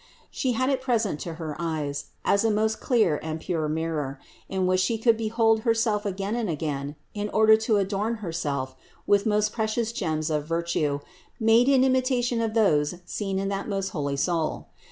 She had it present to her eyes, as a most clear and pure mirror, in which She could behold Her self again and again in order to adorn Herself with most precious gems of virtue, made in imitation of those seen in that most holy Soul.